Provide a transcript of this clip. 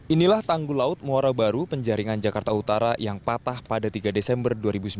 inilah tanggul laut muara baru penjaringan jakarta utara yang patah pada tiga desember dua ribu sembilan belas